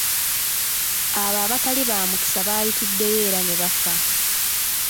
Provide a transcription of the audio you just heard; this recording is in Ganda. Abo abatali ba mukisa bayitiddeyo era ne bafa.